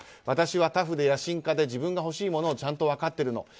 私はタフで野心家で自分が欲しいものをちゃんと分かっているの。